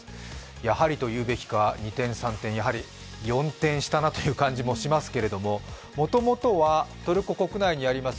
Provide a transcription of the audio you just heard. やはりというべきか二転三転、やはり四転したなという感じですがもともとはトルコ国内にあります